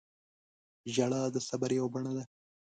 • ژړا د صبر یوه بڼه ده.